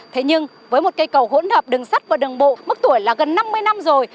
thế nhưng với một cây cầu hỗn hợp đường sắt và đường bộ mức tuổi là gần năm mươi năm rồi